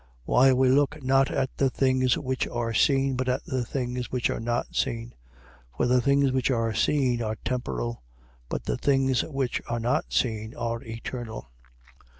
4:18. While we look not at the things which are seen, but at the things which are not seen. For the things which are seen are temporal: but the things which are not seen, are eternal.